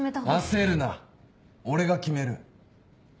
焦るな俺が決める。